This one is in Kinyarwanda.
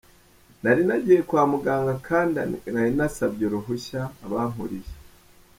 Nari nagiye kwa muganga kandi nari nasabye uruhushya abankuriye.